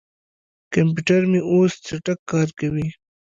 کمپیوټر مې اوس چټک کار کوي.